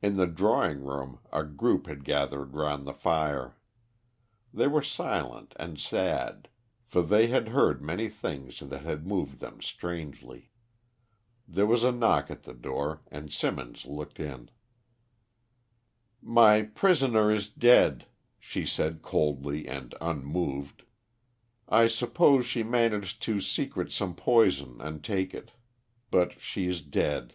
In the drawing room a group had gathered round the fire. They were silent and sad, for they had heard many things that had moved them strangely. There was a knock at the door and Symonds looked in. "My prisoner is dead," she said coldly and unmoved. "I supposed she managed to secret some poison and take it. But she is dead."